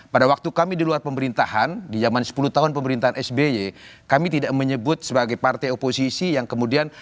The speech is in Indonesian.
pada waktu kami di luar pemerintahan di zaman sepuluh tahun pemerintahan sby kami tidak menyebut sebagai partai oposisi yang kemudian